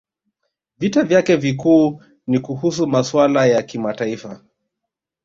Vita vyake vikuu ni kuhusu masuala ya kimataifa